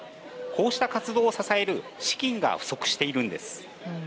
こうした活動を支える資金が不足しているんです。